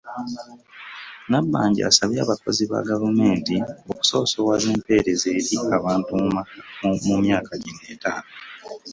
Nabbanja asabye abakozi ba gavumenti okusoosowaza empeereza eri abantu mu myaka gino etaano